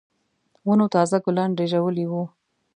ونو تازه ګلان رېژولي وو.